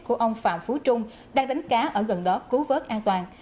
của ông phạm phú trung đang đánh cá ở gần đó cứu vớt an toàn